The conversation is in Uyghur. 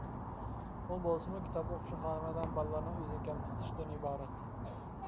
ئۇ بولسىمۇ كىتاب ئوقۇشنى خالىمايدىغان بالىلارنىڭ ئۆزىنى كەمسىتىشىدىن ئىبارەت.